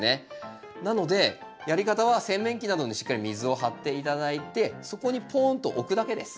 なのでやり方は洗面器などにしっかり水を張って頂いてそこにポーンと置くだけです。